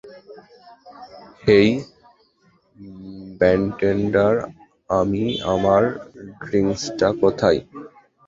হেই bartender, আমি আমার ড্রিংকটা কোথায়।